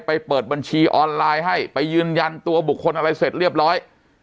เปิดบัญชีออนไลน์ให้ไปยืนยันตัวบุคคลอะไรเสร็จเรียบร้อย